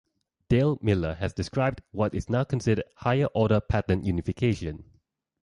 Dale Miller has described what is now called "higher-order pattern unification".